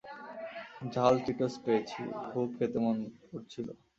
ঝাল চিটোজ পেয়েছি, খুব খেতে মন করছিল।